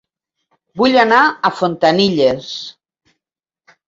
Vull anar a Fontanilles